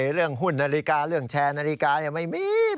เรื่องหุ้นนาฬิกาเรื่องแชร์นาฬิกาไม่มี